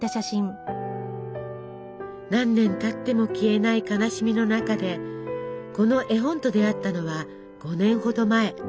何年たっても消えない悲しみの中でこの絵本と出会ったのは５年ほど前。